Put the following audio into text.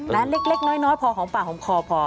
และเล็กน้อยพอหอมปากหอมคอพอ